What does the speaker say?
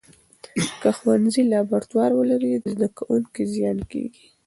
که ښوونځي لابراتوار ولري، د زده کوونکو زیان کېږي.